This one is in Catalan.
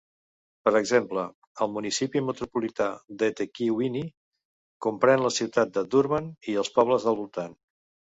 Per exemple, el municipi metropolità d'eThekwini comprèn la ciutat de Durban i els pobles del voltant.